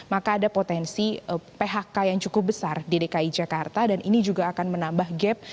maka ada potensi phk yang cukup besar di dki jakarta dan ini juga akan menambah gap